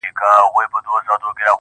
حقيقت لا هم پټ دی ډېر,